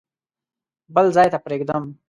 بل ځای ته پرېږدم.